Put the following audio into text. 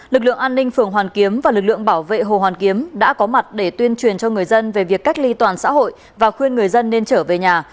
lực lượng an ninh phường hoàn kiếm và lực lượng bảo vệ hồ hoàn kiếm đã có mặt để tuyên truyền cho người dân về việc cách ly toàn xã hội và khuyên người dân nên trở về nhà